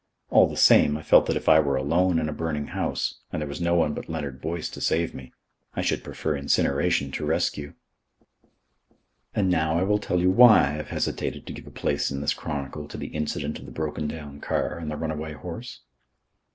All the same, I felt that if I were alone in a burning house, and there were no one but Leonard Boyce to save me, I should prefer incineration to rescue. And now I will tell you why I have hesitated to give a place in this chronicle to the incident of the broken down car and the runaway horse.